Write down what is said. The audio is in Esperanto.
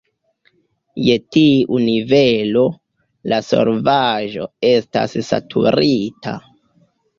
Je tiu nivelo, la solvaĵo estas "saturita".